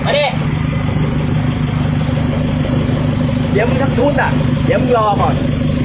เดี๋ยวมึงทักชุดอ่ะเดี๋ยวมึงรอหมด